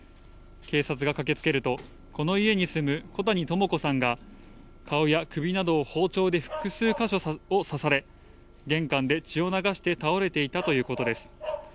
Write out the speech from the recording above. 警察が駆けつけると、この家に住む小谷朋子さんが、顔や首などを包丁で複数箇所を刺され、玄関で血を流して倒れていたということです。